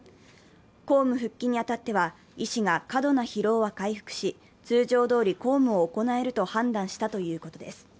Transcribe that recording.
公務復帰に当たっては、医師が過度な疲労は回復し、通常どおり公務を行えると判断したということです。